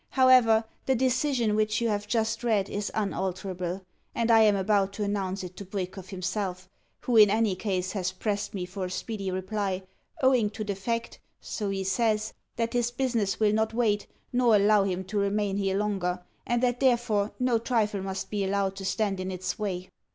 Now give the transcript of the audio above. However, the decision which you have just read is unalterable, and I am about to announce it to Bwikov himself, who in any case has pressed me for a speedy reply, owing to the fact (so he says) that his business will not wait nor allow him to remain here longer, and that therefore, no trifle must be allowed to stand in its way.